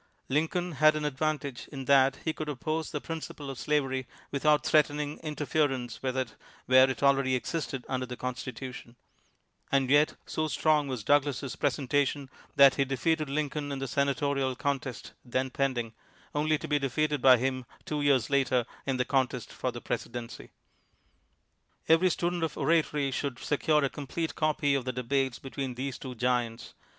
Lincoln had an advantage, in that he could oppose the principle of slavery without threatening interference with it where it already existed under the Constitu tion; and yet so strong was Douglas's presenta tion that he defeated Lincoln in the senatorial contest then pending, only to be defeated by him two years later in the contest for the Presidency. Every student of oratory should secure a com plete copy of the debates between these two giants.